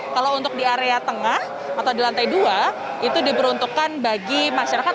kalau untuk di area tengah atau di lantai dua itu diperuntukkan bagi masyarakat